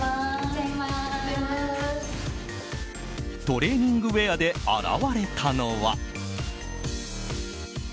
トレーニングウェアで現れたのは。